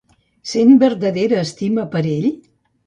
Sent vertadera estima per ell?